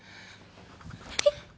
えっ？